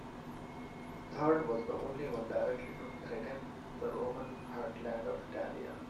The Third was the only one directly to threaten the Roman heartland of Italia.